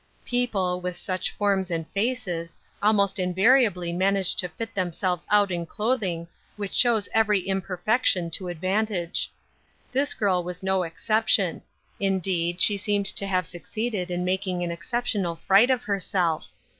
People, with such forms and faces, almost invariably manage to fit themselves out in cloth 300 Ruth Ershine's Crosses, ing which shows every imperfection to advan tage. This girl was no exception ; indeed, she seemed to have succeeded in making an excep tional fright of herself.